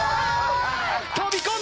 飛び込んだ。